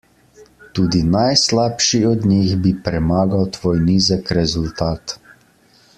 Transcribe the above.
Tudi najslabši od njih bi premagal tvoj nizek rezultat.